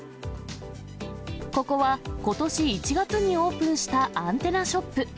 ここは、ことし１月にオープンしたアンテナショップ。